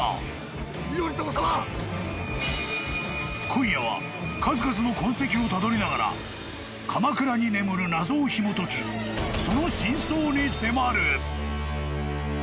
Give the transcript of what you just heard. ［今夜は数々の痕跡をたどりながら鎌倉に眠る謎をひもときその真相に迫る！］